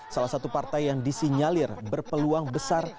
salah satu partai yang disinyalir berpeluang besar